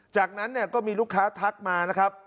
จากนั้นเนี่ยก็มีลูกค้าทักมานะครับ